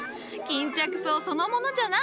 巾着草そのものじゃな。